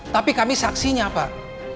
tapi kami saksinya pak